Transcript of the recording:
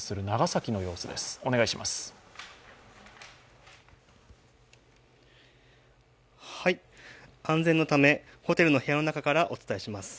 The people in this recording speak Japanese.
安全のため、ホテルの部屋の中からお伝えします。